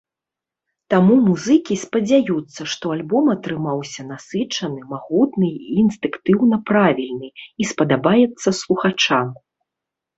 Таму музыкі спадзяюцца, што альбом атрымаўся насычаны, магутны і інстынктыўна правільны і спадабаецца слухачам.